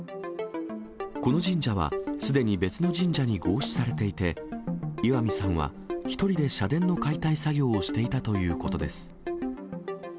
この神社は、すでに別の神社に合祀されていて、石見さんは、１人で社殿の解体作業をしていたということです。